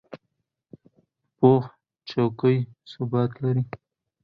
پوخ چوکۍ ثبات لري